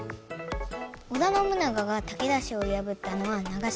織田信長が武田氏をやぶったのは長篠の戦い。